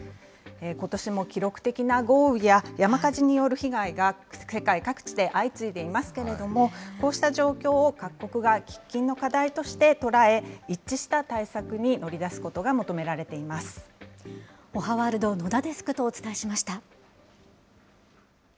ことしも記録的な豪雨や山火事による被害が、世界各地で相次いでいますけれども、こうした状況を各国が喫緊の課題として捉え、一致した対策に乗りおはワールド、野田デスクとお伝えしました。